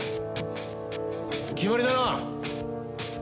決まりだな。